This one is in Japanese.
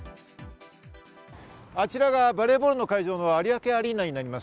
あちらがバレーボールの会場の有明アリーナです。